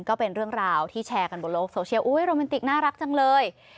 ก็เป็นเรื่องราวที่แชร์กันบนโลกโซเชียลอุ๊ยโรแมนติกน่ารักจังเลย